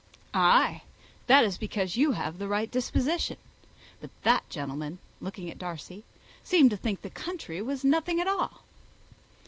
"Ay, that is because you have the right disposition. But that gentleman," looking at Darcy, "seemed to think the country was nothing at all."